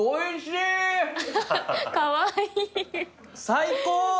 最高！